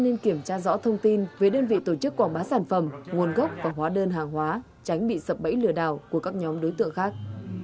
nên kiểm tra rõ thông tin về đơn vị tổ chức quảng bá sản phẩm nguồn gốc và hóa đơn hàng hóa tránh bị sập bẫy lừa đảo của các nhóm đối tượng khác